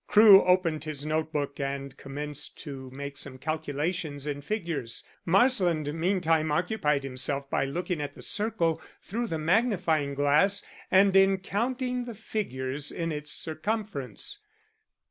Crewe opened his notebook and commenced to make some calculations in figures. Marsland meantime occupied himself by looking at the circle through the magnifying glass, and in counting the figures in its circumference.